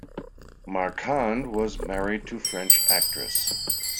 Marquand was married to French actress.